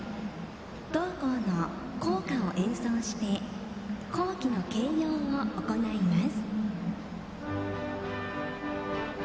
同校の校歌を演奏して校旗の掲揚を行います。